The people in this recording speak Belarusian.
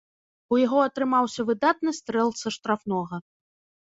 У яго атрымаўся выдатны стрэл са штрафнога.